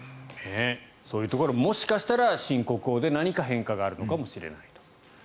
そういうところもしかしたら新国王で何か変化があるのかもしれないと。